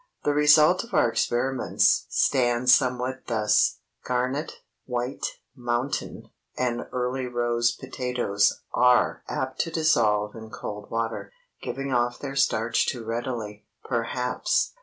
The result of our experiments stands somewhat thus—Garnet, White Mountain, and Early Rose potatoes are apt to dissolve in cold water, giving off their starch too readily, perhaps.